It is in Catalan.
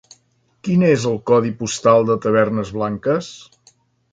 Quin és el codi postal de Tavernes Blanques?